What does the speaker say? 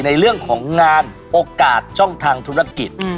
ในเรื่องของงานโอกาสช่องทางธุรกิจ